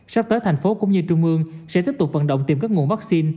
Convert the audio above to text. sắp tới thành phố cũng như trung ương sẽ tiếp tục vận động tìm các nguồn vaccine